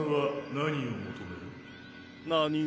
何？